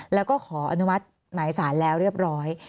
แล้วก็ขออนุมัติหมายสารแล้วเรียบร้อย